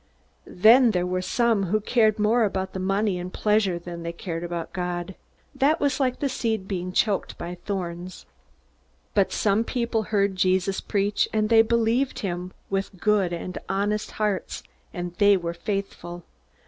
Then there were some who cared more about money and pleasure than they cared about God. That was like seed being choked by thorns. But some people heard Jesus preach; and they believed in him, with good and honest hearts, and they were faithful.